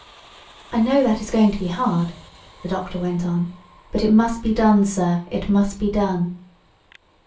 "I know that is going to be hard," the doctor went on; "but it must be done sir, it must be done."